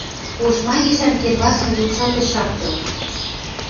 Ошма гишӓн кенвацмы юкшат ӹш шакты.